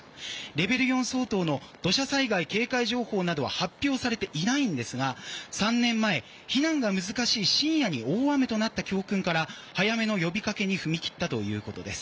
レベル４相当の土砂災害警戒情報などは発表されていないんですが３年前、避難が難しい深夜に大雨となった教訓から早めの呼びかけに踏み切ったということです。